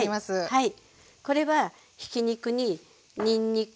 はい。